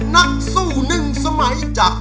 นักสู้หนึ่งสมัยจาก